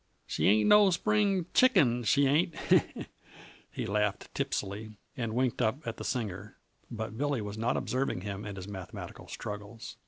"She ain't no spring chicken, she ain't!" He laughed tipsily, and winked up at the singer, but Billy was not observing him and his mathematical struggles.